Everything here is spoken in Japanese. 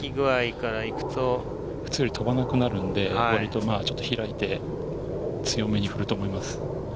普通より飛ばなくなるんで、ちょっと開いて強めに振ると思います。